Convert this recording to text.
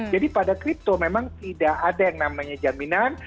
jadi pada kripto memang tidak ada yang namanya jaminan